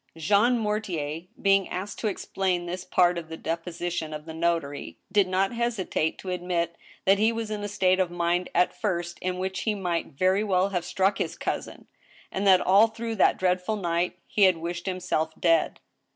Jean Mortier, being asked to explain this part of the deposition of the notary, did not hesitate to admit that he was in a state of mind at first in which he might very well have struck his cousin, and that all through that dreadful night he had wished himself dead.